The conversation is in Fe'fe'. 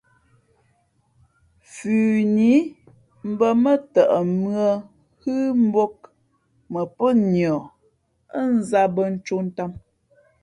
Fʉnǐ mbᾱ mά tαʼ mʉ̄ᾱ hʉ́ mbōk mα pó niα ά nzāt bᾱ ncō ntām.